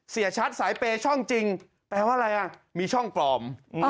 เสียชัดสายเปย์ช่องจริงแปลว่าอะไรอ่ะมีช่องปลอม